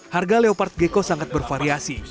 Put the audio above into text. harga leopard gecko sangat bervariasi